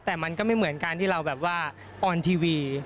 แต่มันก็ไม่เหมือนการที่เราแบบว่าออนทีวี